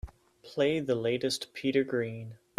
Play the latest Peter Green.